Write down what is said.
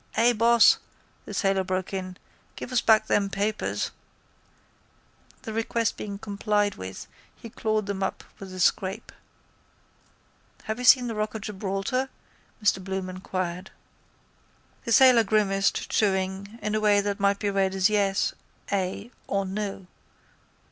—Ay, boss, the sailor broke in. Give us back them papers. The request being complied with he clawed them up with a scrape. —Have you seen the rock of Gibraltar? Mr Bloom inquired. The sailor grimaced, chewing, in a way that might be read as yes, ay or no.